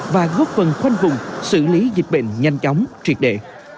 và góp phần khoanh vùng xử lý dịch bệnh nhanh chóng triệt đệ